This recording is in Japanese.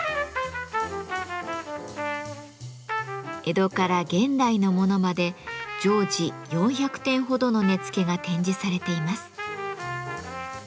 江戸から現代のものまで常時４００点ほどの根付が展示されています。